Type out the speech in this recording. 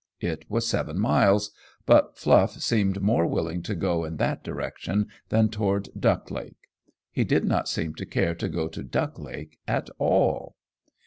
It was seven miles, but Fluff seemed more willing to go in that direction than toward Duck Lake. He did not seem to care to go to Duck Lake at all.